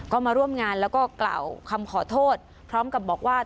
ก็มาร่วมงานแล้วก็กล่าวคำขอโทษพร้อมกับบอกว่า